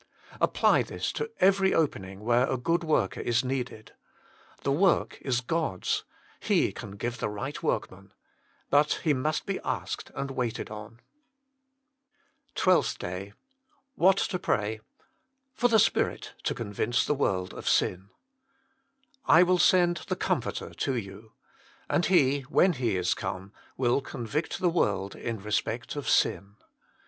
Apply this to every opening where a good worker is needed. The work is God s. He can give the right workman. But He must be asked and waited on. SPECIAL PETITIONS PRAY WITHOUT CEASING TWELFTH DAY WHAT TO PRAY. Jor tlje Spirit to ronlrince tlje Morlir of &tn "I will send the Comforter to you. And He, when He is come, will convict the world in respect of sin."